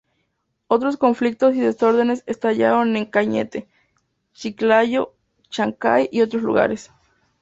Otros conflictos y desórdenes estallaron en Cañete, Chiclayo, Chancay y otros lugares.